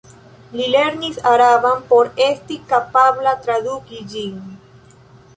Li lernis araban por esti kapabla traduki ĝin.